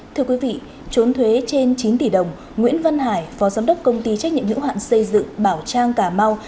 thưa quý vị trốn thuế trên chín tỷ đồng nguyễn văn hải phó giám đốc công ty trách nhiệm hữu hạn xây dựng bảo trang cà mau